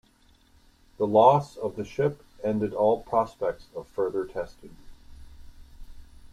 The loss of the ship ended all prospects of further testing.